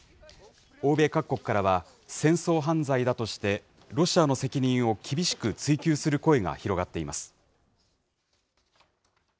欧米各国からは、戦争犯罪だとして、ロシアの責任を厳しく追及する声が広がっています。